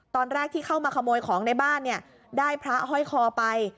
ตอนแรกที่เข้ามาขโมยของในบ้านเนี่ยได้พระห้อยคอไป